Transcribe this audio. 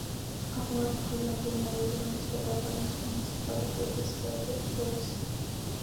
აღმართულია მდინარე რონისა და ბანის მუნიციპალიტეტის ხეობებს შორის.